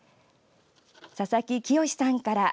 佐々木清さんから。